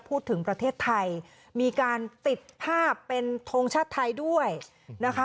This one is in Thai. ประเทศไทยมีการติดภาพเป็นทงชาติไทยด้วยนะคะ